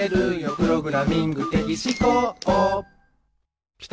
プログラミング的思考」